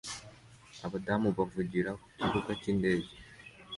Abadamu bavugira ku kibuga cyindege